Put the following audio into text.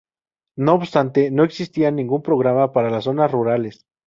No obstante, no existía ningún programa para las zonas rurales.